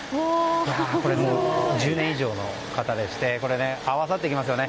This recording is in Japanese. こちらの方１０年以上の方でして合わさっていきますよね。